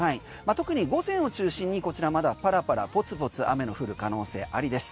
特に午前を中心にこちらまだパラパラポツポツ雨の降る可能性ありです。